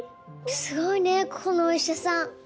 すごいねここのお医者さん。